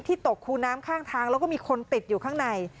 ตกคูน้ำข้างทางแล้วก็มีคนติดอยู่ข้างใน